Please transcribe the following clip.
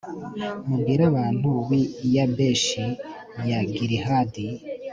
mubwire abantu b'i yabeshi ya gilihadi